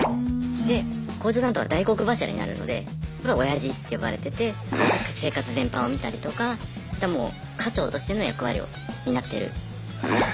で工場担当は大黒柱になるのでまあオヤジって呼ばれてて生活全般を見たりとかもう家長としての役割を担ってる。